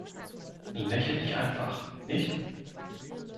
Lächerlich einfach, nicht?